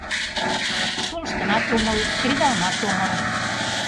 Шолыштынат омыл, кредалынат омыл...